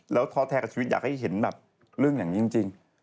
แล้วท้อแท้กับชีวิตอยากให้เห็นแบบเรื่องอย่างนี้จริง